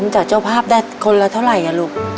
เจอภาพได้คนละเท่าไหร่อ่ะลูก